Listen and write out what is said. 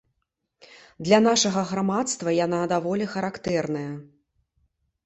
Для нашага грамадства яна даволі характэрная.